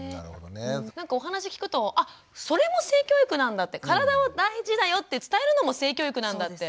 なんかお話聞くとあっそれも性教育なんだって体は大事だよって伝えるのも性教育なんだって。